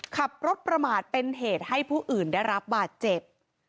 ขับรถประมาทเป็นเหตุให้ผู้อื่นได้รับบาดเจ็บ